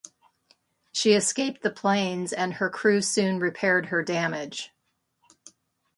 She escaped the planes and her crew soon repaired her damage.